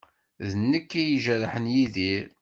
D nekk ay ijerḥen Yidir.